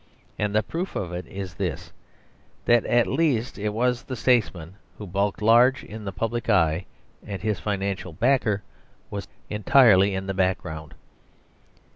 And the proof of it is this: that at least it was the statesman who bulked large in the public eye; and his financial backer was entirely in the background.